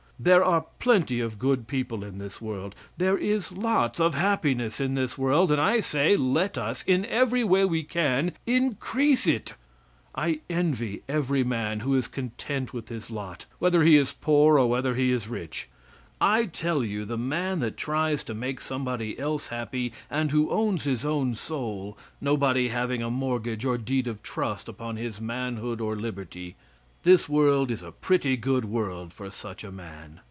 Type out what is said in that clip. There are plenty of good people in this world. There is lots of happiness in this world and, I say, let us, in every way we can, increase it. I envy every man who is content with his lot, whether he is poor or whether he is rich. I tell you, the man that tries to make somebody else happy, and who owns his own soul, nobody having a mortgage or deed of trust upon his manhood or liberty this world is a pretty good world for such a man.